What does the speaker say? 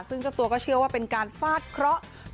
ซึ่งเจ้าตัวก็เชื่อว่าเป็นการฟาดเคราะห์